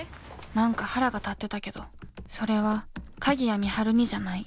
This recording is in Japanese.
何か腹が立ってたけどそれは鍵谷美晴にじゃない。